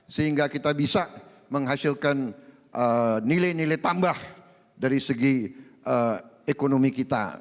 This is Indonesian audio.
sehingga kita bisa menghasilkan nilai nilai tambah dari segi ekonomi kita